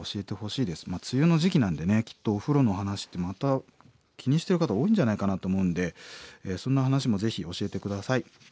梅雨の時期なんでねきっとお風呂の話ってまた気にしてる方多いんじゃないかなと思うんでそんな話もぜひ教えて下さい。